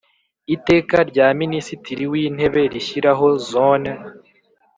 Iteka rya Minisitiri w Intebe rishyiraho Zone